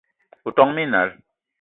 O ton minal